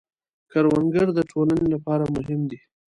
کروندګر د ټولنې لپاره مهم دی